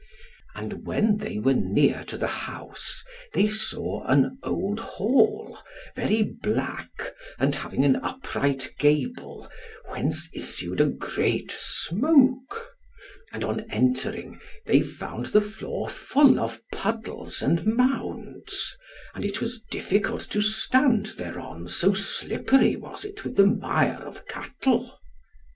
And when they near to the house, they saw an old hall, very black and having an upright gable, whence issued a great smoke; and on entering, they found the floor full of puddles and mounds; and it was difficult to stand thereon, so slippery was it with the mire of cattle.